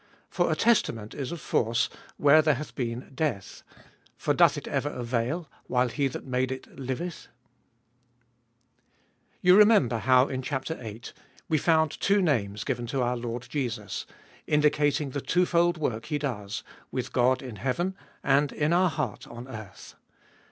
17. For a testament Is of force where there hath been death : for doth it ever avail while he that made it liveth P You remember how in chap. viii. we found two names given to our Lord Jesus, indicating the twofold work He does, with God in heaven and in our heart on earth.